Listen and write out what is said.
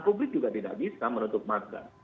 publik juga tidak bisa menutup mata